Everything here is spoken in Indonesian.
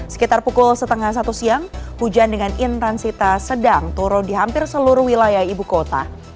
sekitar pukul setengah satu siang hujan dengan intensitas sedang turun di hampir seluruh wilayah ibu kota